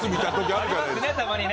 ありますねたまにね。